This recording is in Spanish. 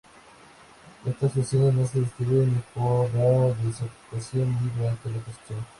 Estas toxinas no se destruyen ni por la desecación, ni durante la cocción.